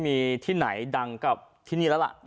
ไม่มีที่ไหนดังกับที่นี่